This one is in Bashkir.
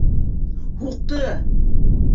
Һуҡты!